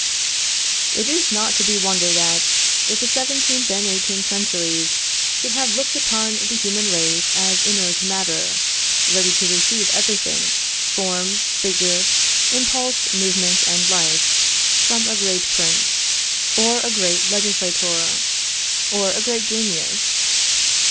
It is not to be wondered at that the 17th and 18th centuries should have looked upon the human race as inert matter, ready to receive everything, form, figure, impulse, movement, and life, from a great prince, or a great legislator, or a great genius.